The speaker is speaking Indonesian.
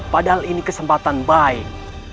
padahal ini kesempatan baik